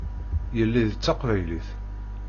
Yelli d taqbaylit.